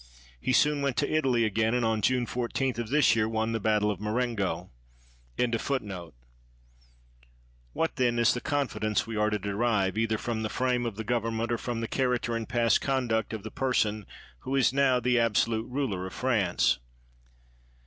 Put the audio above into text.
He soon went to Italy again, and on June 14 of this year won the Battle of Marengo. 16 PITT then, is the confidence we are to derive either from the frame of the government or from the character and past conduct of the; person who is now the absolute ruler of France